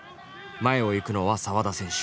前を行くのは沢田選手。